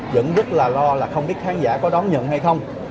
vẫn rất là lo là không biết khán giả có đón nhận hay không